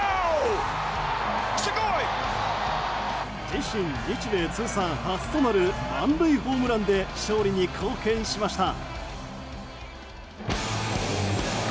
自身、日米通算初となる満塁ホームランで勝利に貢献しました。